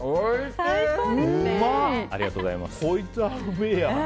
こいつはうめえや。